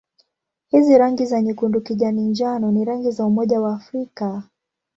Hizi rangi za nyekundu-kijani-njano ni rangi za Umoja wa Afrika.